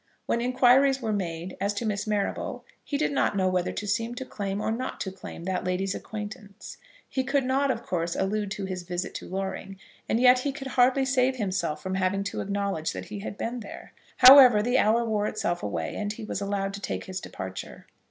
When inquiries were made as to Miss Marrable, he did not know whether to seem to claim, or not to claim, that lady's acquaintance. He could not, of course, allude to his visit to Loring, and yet he could hardly save himself from having to acknowledge that he had been there. However, the hour wore itself away, and he was allowed to take his departure.